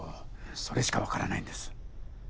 それしかわからないんです。